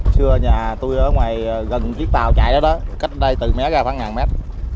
xưa nhà tôi ở ngoài gần chiếc tàu chạy đó đó cách đây từ mé ra khoảng ngàn mét